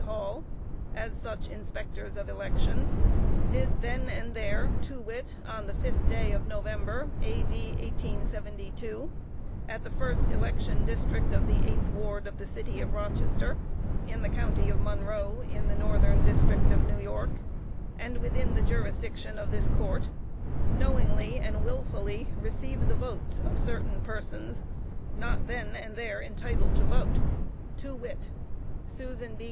Hall, as such Inspectors of Elections, did then and there, to wit, on the fifth day of November, A.D. 1872, at the first election District of the eighth ward of the City of Rochester, in the County of Monroe, in the Northern District of New York, and within the jurisdiction of this Court, knowingly and wilfully receive the votes of certain persons, and not then and there entitled to vote, to wit: Susan B.